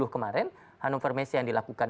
kemarin hanom farmacy yang dilakukan